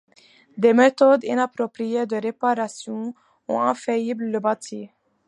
Des méthodes inappropriées de réparation ont affaibli le bâti.